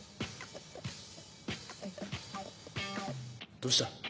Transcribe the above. どうした？